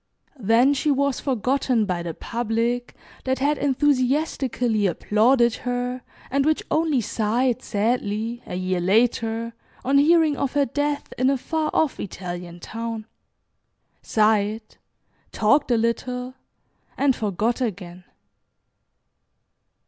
Then she was forgotten by the public that had enthusiastically applauded her, and which only sighed sadly, a year later, on hearing of her death, in a far off Italian town, sighed, talked a little, and forgot again.